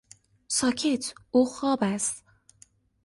ساکت! او خواب است.